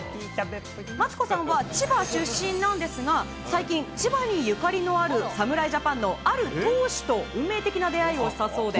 マツコさんは千葉出身なんですが、最近、千葉にゆかりのある侍ジャパンのある投手と、運命的な出会いをしたそうで。